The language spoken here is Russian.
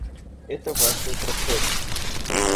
Это важный процесс.